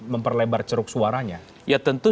memperlebar ceruk suaranya ya tentu